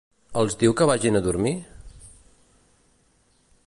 Els diu que vagin a dormir?